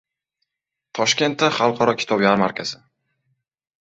Toshkentda xalqaro kitob yarmarkasi